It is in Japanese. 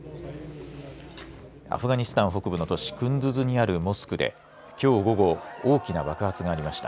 アフガニスタン北部の都市クンドゥズにあるモスクできょう午後大きな爆発がありました。